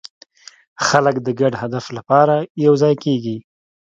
خلک د ګډ هدف لپاره یوځای کېږي.